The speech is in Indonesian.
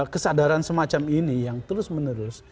kesadaran semacam ini yang terus menerus